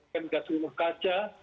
penggas rumah kaca